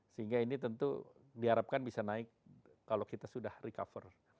sehingga ini tentu diharapkan bisa naik kalau kita sudah recover